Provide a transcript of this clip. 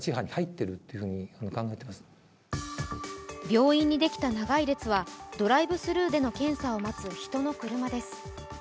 病院にできた長い列はドライブスルーでの検査を待つ人の車です。